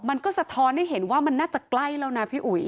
มันก็สะท้อนให้เห็นว่ามันน่าจะใกล้แล้วนะพี่อุ๋ย